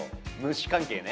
虫関係ね